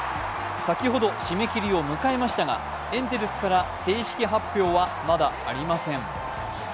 先ほど締め切りを迎えましたがエンゼルスから正式発表はまだありません。